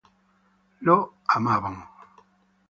Lo amaban.